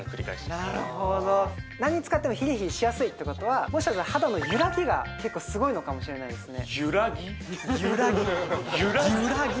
なるほど何使ってもヒリヒリしやすいってことはもしかしたら肌のゆらぎが結構すごいのかもしれないですねゆらぎゆらぎ？